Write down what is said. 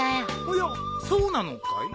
おやそうなのかい？